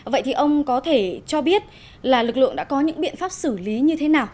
vậy thì ông có thể cho biết là lực lượng đã có những biện pháp xử lý như thế nào